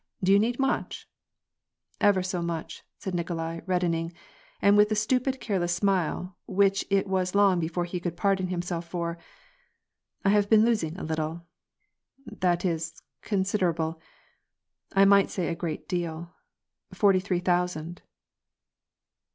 Do you need much ?"" Ever so much," said Nikolai reddening, and with a stupid, careless smile which it was long before he could pardon him self for. " I have been losing a little ; that is, considerable ; I might say a great deal — forty three thousand."